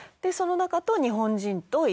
その中と日本人と。